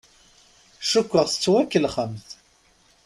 Cukkeɣ tettwakellexemt.